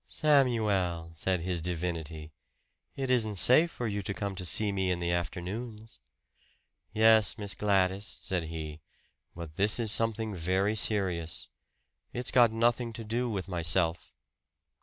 "Samuel," said his divinity, "it isn't safe for you to come to see me in the afternoons." "Yes, Miss Gladys," said he. "But this is something very serious. It's got nothing to do with myself."